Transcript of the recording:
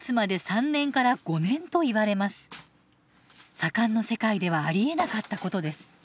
左官の世界ではありえなかったことです。